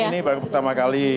jadi ini baru pertama kali